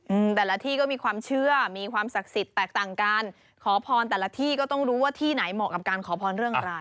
อืมแต่ละที่ก็มีความเชื่อมีความศักดิ์สิทธิ์แตกต่างกันขอพรแต่ละที่ก็ต้องรู้ว่าที่ไหนเหมาะกับการขอพรเรื่องอะไร